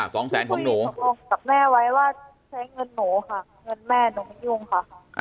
สองแสนของหนูบอกกับแม่ไว้ว่าใช้เงินหนูค่ะเงินแม่หนูไม่ยุ่งค่ะ